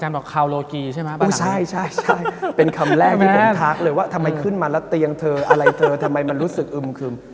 หรือว่าทำไมขึ้นมาแล้วเตียงเธออะไรเธอทำไมมันรู้สึกอึมขึม